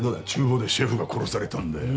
厨房でシェフが殺されたんだよ。